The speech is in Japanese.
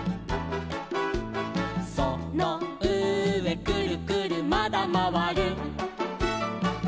「そのうえくるくるまだまわる」